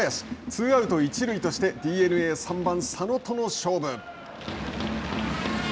ツーアウト、一塁としてＤｅＮＡ３番佐野との勝負。